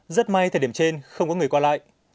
rất may thời điểm trên không có người qua lại